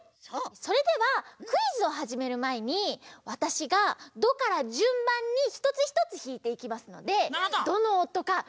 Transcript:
それではクイズをはじめるまえにわたしがドからじゅんばんにひとつひとつひいていきますのでどのおとかよくきいておぼえてください！